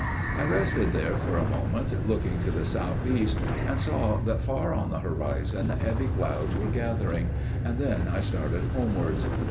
"I rested there for a moment, looking to the south east, and saw that far on the horizon heavy clouds were gathering; and then I started homewards.